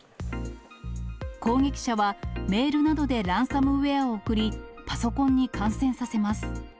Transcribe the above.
攻撃者は、メールなどでランサムウエアを送り、パソコンに感染させます。